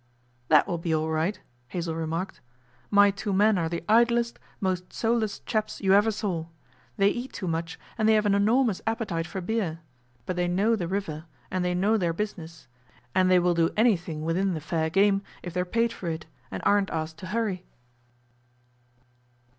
'That will be all right,' Hazell remarked. 'My two men are the idlest, most soul less chaps you ever saw. They eat too much, and they have an enormous appetite for beer; but they know the river, and they know their business, and they will do anything within the fair game if they are paid for it, and aren't asked to hurry.